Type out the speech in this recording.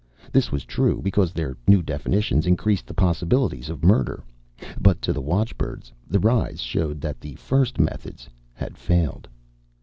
This was true, because their new definitions increased the possibilities of murder. But to the watchbirds, the rise showed that the first methods had failed.